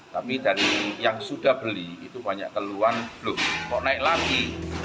tapi dari yang sudah beli itu banyak keluhan belum mau naik lagi